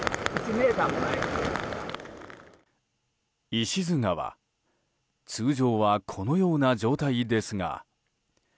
石津川、通常はこのような状態ですが。